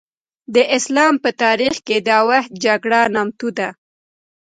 د اسلام په تاریخ کې د اوحد جګړه نامتو ده.